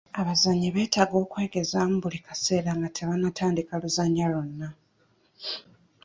Abazannyi beetaaga okwegezaamu buli kiseera nga tebannatandika luzannya lwonna.